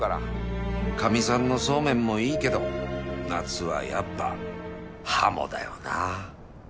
かみさんのそうめんもいいけど夏はやっぱハモだよな